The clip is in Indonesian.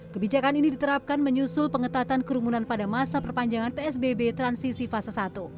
kebijakan ini diterapkan menyusul pengetatan kerumunan pada masa perpanjangan psbb transisi fase satu